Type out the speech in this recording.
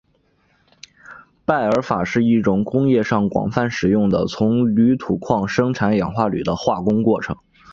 拜耳法是一种工业上广泛使用的从铝土矿生产氧化铝的化工过程。